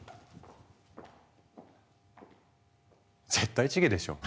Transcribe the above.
絶対チゲでしょ！